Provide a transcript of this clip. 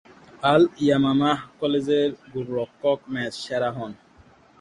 আল-ইয়ামামাহ কলেজের গোলরক্ষক ম্যাচ সেরা হন।